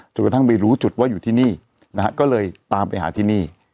กระทั่งไปรู้จุดว่าอยู่ที่นี่นะฮะก็เลยตามไปหาที่นี่